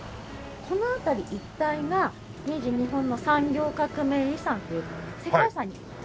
この辺り一帯が「明治日本の産業革命遺産」というふうに世界遺産に登録されて。